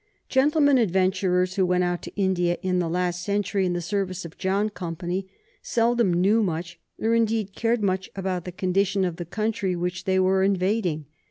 Gentlemen adventurers who went out to India in the last century in the service of John Company seldom knew much, or indeed cared much, about the condition of the country which they were invading.